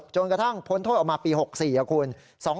จนกระทั่งพ้นโทษออกมาปี๖๔ครับคุณ